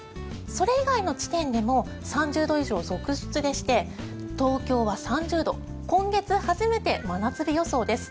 それ以外の地点でも３０度以上続出でして東京は３０度今月初めて真夏日予想です。